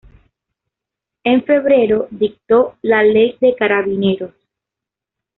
En febrero dictó la Ley de Carabineros.